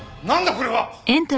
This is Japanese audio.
これは！